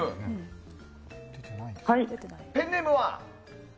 ペンネーム。